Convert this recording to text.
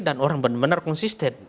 dan orang benar benar konsisten